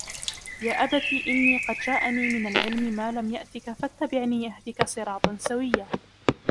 يَا أَبَتِ إِنِّي قَدْ جَاءَنِي مِنَ الْعِلْمِ مَا لَمْ يَأْتِكَ فَاتَّبِعْنِي أَهْدِكَ صِرَاطًا سَوِيًّا